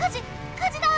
火事だ！